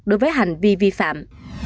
đối với hành vi vi phạm